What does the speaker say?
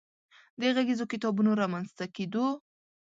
د غږیزو کتابونو رامنځ ته کېدو